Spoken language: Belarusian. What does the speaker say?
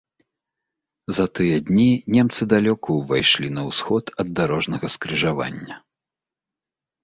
За тыя дні немцы далёка ўвайшлі на ўсход ад дарожнага скрыжавання.